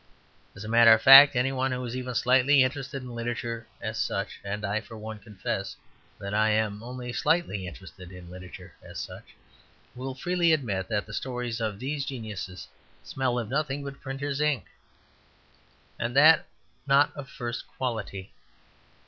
As a matter of fact, any one who is even slightly interested in literature as such (and I, for one, confess that I am only slightly interested in literature as such), will freely admit that the stories of these geniuses smell of nothing but printer's ink, and that not of first rate quality.